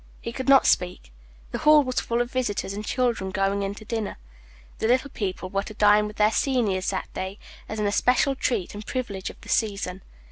He could not speak. The hall was full of visitors and children going into dinner. The little people were to dine with their seniors that day, as an especial treat and privilege of the season.